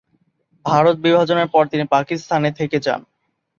ভারত বিভাজনের পর তিনি পাকিস্তানে থেকে যান।